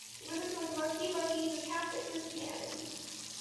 The religion with the most devotees is Catholic Christianity.